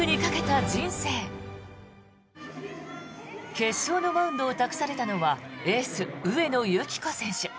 決勝のマウンドを託されたのはエース、上野由岐子選手。